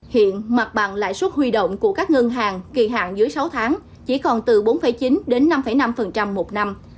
hiện mặt bằng lãi suất huy động của các ngân hàng kỳ hạn dưới sáu tháng chỉ còn từ bốn chín đến năm năm một năm